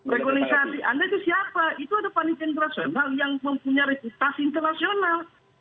rekonisasi anda itu siapa itu ada panitia internasional yang mempunyai reputasi internasional